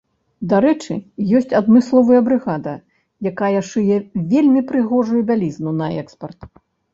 Дарэчы, ёсць адмысловая брыгада, якая шые вельмі прыгожую бялізну на экспарт.